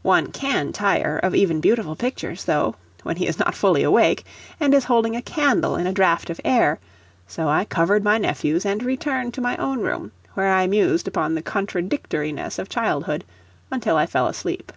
One CAN tire of even beautiful pictures, though, when he is not fully awake, and is holding a candle in a draught of air; so I covered my nephews and returned to my own room, where I mused upon the contradictoriness of childhood until I fell asleep.